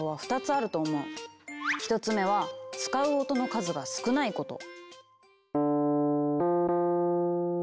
１つ目は使う音の数が少ないこと！